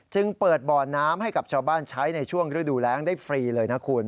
จึงเปิดบ่อน้ำให้กับชาวบ้านใช้ในช่วงฤดูแรงได้ฟรีเลยนะคุณ